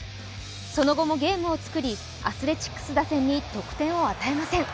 その後もゲームを作りアスレチックス打線に得点を与えません。